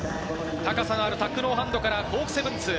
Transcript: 高さがあるタックノーハンドからコーク７２０。